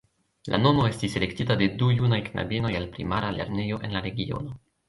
La nomo estis elektita de du junaj knabinoj el primara lernejo en la regiono.